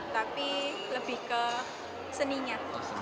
tapi lebih ke seninya